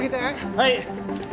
はい。